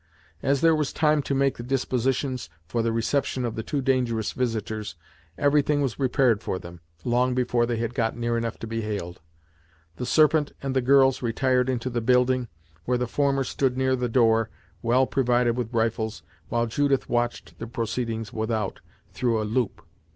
As there was time to make the dispositions for the reception of the two dangerous visitors, everything was prepared for them, long before they had got near enough to be hailed. The Serpent and the girls retired into the building, where the former stood near the door, well provided with rifles, while Judith watched the proceedings without through a loop.